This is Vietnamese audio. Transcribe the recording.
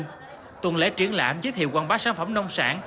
tuy nhiên tuần lễ triển lãm giới thiệu quảng bá sản phẩm nông sản